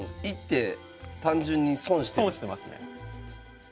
損してますね。